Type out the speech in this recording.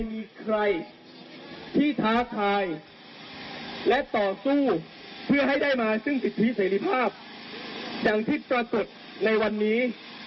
มีใครที่ท้าทายและต่อสู้เพื่อให้ได้มาซึ่งสิทธิเสรีภาพอย่างที่ปรากฏในวันนี้